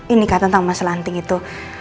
ini kan tentang masalah anting itu